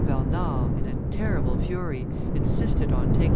Bernard, in a terrible fury, insisted on taking M.